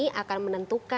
itu akan sangat menentukan